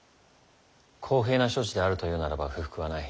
公平な処置であるというならば不服はない。